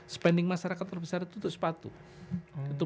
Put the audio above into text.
spending masyarakat terbesar itu untuk sepatu